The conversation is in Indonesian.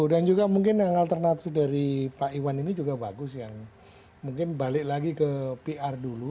dan juga mungkin yang alternatif dari pak iwan ini juga bagus yang mungkin balik lagi ke pr dulu